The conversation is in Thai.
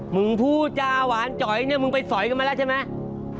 มึงพูดจาหวานจอยเนี่ยมึงไปสอยกันมาแล้วใช่ไหม